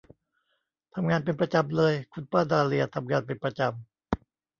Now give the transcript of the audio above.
ทำงานเป็นประจำเลย คุณป้าดาเลียทำงานเป็นประจำ